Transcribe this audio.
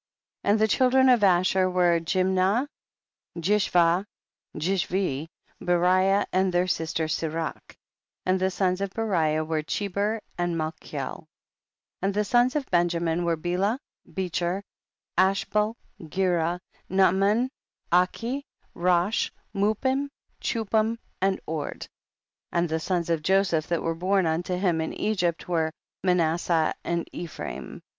And the children of Asher xoere Jimnah, Jishvah, Jishvi, Beriah and their sister Serach ; and the sons of Beriah loere Cheber and Malchiel, 1 7. And the sons of Benjamin ivere Bela, Becher, Ashbel, Gcra, Naaman, Achi, Rosh, Mupim, Chupim and Ord. 18. And the sons of Joseph, that 192 THE BOOK OF JASHER. were born unto him in Egypt, were Manasseh and Ephraim.